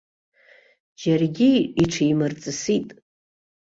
Џьаргьы иҽимырҵысит.